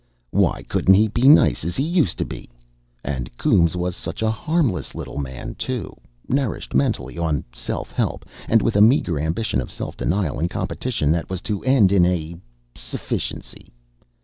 Why couldn't he be nice as he used to be? And Coombes was such a harmless little man, too, nourished mentally on Self Help, and with a meagre ambition of self denial and competition, that was to end in a "sufficiency."